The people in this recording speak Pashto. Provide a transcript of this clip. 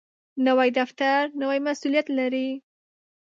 نوی دفتر نوی مسؤولیت لري